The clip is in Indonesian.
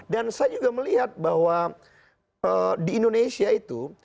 dan saya juga melihat bahwa di indonesia itu